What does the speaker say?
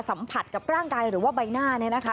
สัมผัสกับร่างกายหรือว่าใบหน้าเนี่ยนะคะ